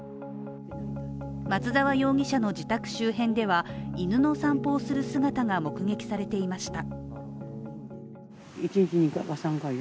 松沢容疑者の自宅周辺では、犬の散歩をする姿が目撃されていました。